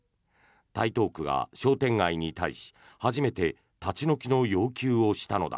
台東区が商店街に対し初めて立ち退きの要求をしたのだ。